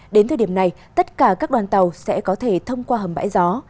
đến thời điểm này tất cả các đoàn tàu sẽ có thể thông qua hầm bãi gió